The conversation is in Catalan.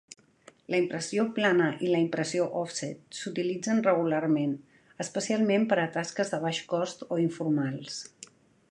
La impressió plana i la impressió òfset s'utilitzen regularment, especialment per a tasques de baix cost o informals.